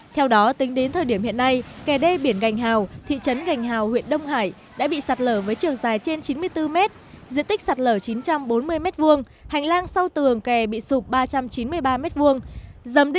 theo đó tính đến thời điểm hiện nay kè đê biển gành hào thị trấn gành hào huyện đông hải đã bị sạt lở với chiều dài trên chín mươi bốn mét diện tích sạt lở chín trăm bốn mươi m hai hành lang sau tường kè bị sụp ba trăm chín mươi ba m hai